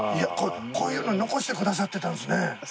こういうの残してくださってたんですね。